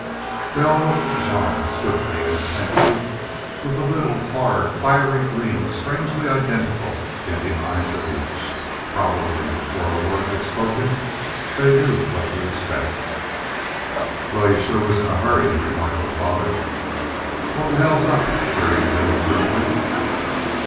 They all looked at Jean, swiftly and intently, with a little, hard, fiery gleam strangely identical in the eyes of each. Probably before a word was spoken they knew what to expect. "Wal, you shore was in a hurry," remarked the father. "What the hell's up?" queried Bill, grimly.